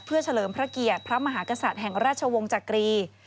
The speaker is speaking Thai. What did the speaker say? เพื่อเฉลิมพระเกียรติพระมหากษัตริย์แห่งราชวงศ์จักรี